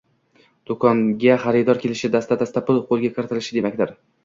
Do`konga xaridor kelishi dasta-dasta pul qo`lga kiritilishi demakdir